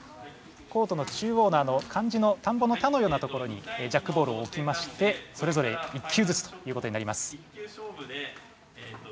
コートの中央のあの漢字の田んぼの田のようなところにジャックボールをおきましてそれぞれ１球ずつということになります。